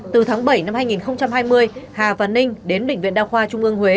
từ tháng bảy năm hai nghìn hai mươi hà văn ninh đến bệnh viện đa khoa trung ương huế